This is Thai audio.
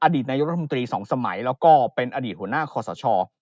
อดีตนายกรัฐมนตรี๒สมัยแล้วก็เป็นอดีตหัวหน้าคอสช